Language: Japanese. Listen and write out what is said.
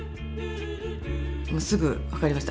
すぐ分かりました。